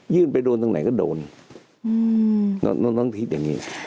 ไปโดนตรงไหนก็โดนต้องคิดอย่างนี้